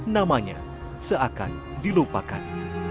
namanya seakan dilupakan